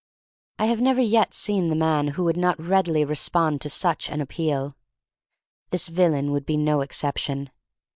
I have never yet seen the man who would not readily respond to such an appeal. This villain would be no exception.